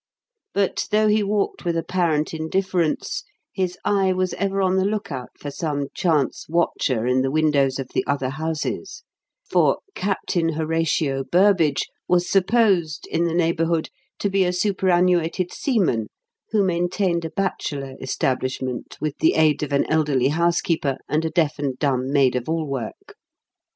But, though he walked with apparent indifference, his eye was ever on the lookout for some chance watcher in the windows of the other houses; for "Captain Horatio Burbage" was supposed, in the neighbourhood, to be a superannuated seaman who maintained a bachelor establishment with the aid of an elderly housekeeper and a deaf and dumb maid of all work.